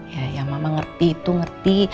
ya yang memang ngerti itu ngerti